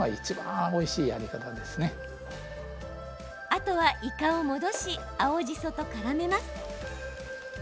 あとは、イカを戻し青じそとからめます。